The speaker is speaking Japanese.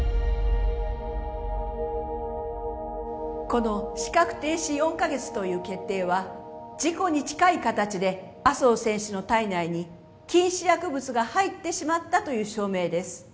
この資格停止４カ月という決定は事故に近い形で麻生選手の体内に禁止薬物が入ってしまったという証明です